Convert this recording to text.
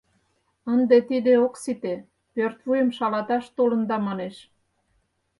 Ынде тиде ок сите, пӧртвуйым шалаташ толында, манеш.